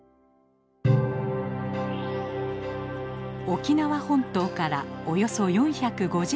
沖縄本島からおよそ４５０キロ。